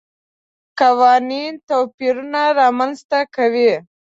قوانین توپیرونه رامنځته کوي.